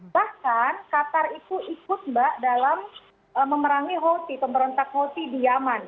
bahkan qatar itu ikut mbak dalam memerangi houthi pemberontak houthi di yemen